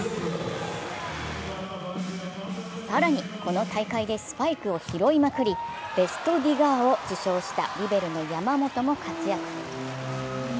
更にこの大会でスパイクを拾いまくり、ベストディガーを受賞したリベロの山本も活躍。